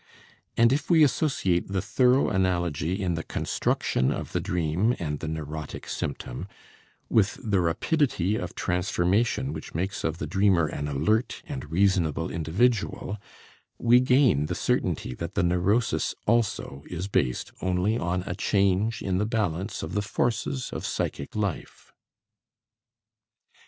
And if we associate the thorough analogy in the construction of the dream and the neurotic symptom with the rapidity of transformation which makes of the dreamer an alert and reasonable individual, we gain the certainty that the neurosis also is based only on a change in the balance of the forces of psychic life.